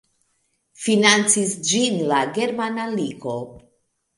Financis ĝin la Germana Ligo.